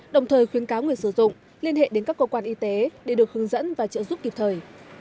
đồng thời khuyến cáo người sử dụng liên hệ đến các cơ quan y tế để được hướng dẫn và trợ giúp kịp thời